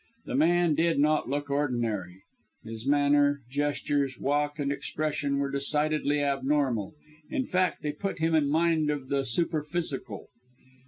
The man did not look ordinary his manner, gestures, walk and expression were decidedly abnormal in fact they put him in mind of the superphysical.